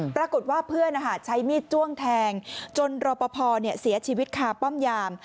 ปรากฏว่าเพื่อนใช้มีดจ้วงแทงจนรอปภเสียชีวิตคาป้อมยาม